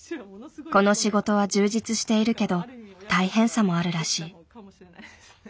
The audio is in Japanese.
この仕事は充実しているけど大変さもあるらしい。